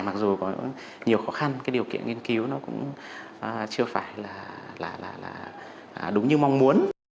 mặc dù có nhiều khó khăn cái điều kiện nghiên cứu nó cũng chưa phải là đúng như mong muốn